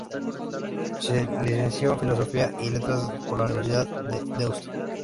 Se licenció en Filosofía y Letras por la Universidad de Deusto.